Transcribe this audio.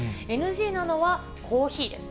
ＮＧなのは、コーヒーです。